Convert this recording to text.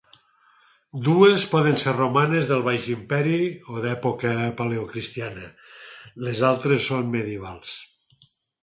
Dues poden ser romanes del Baix Imperi o d'època paleocristiana; les altres són medievals.